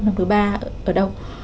năm thứ ba ở đâu